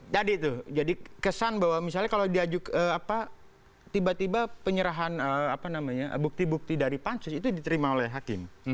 jadi itu kesan bahwa misalnya kalau diajukan tiba tiba bukti bukti dari pansus itu diterima oleh hakim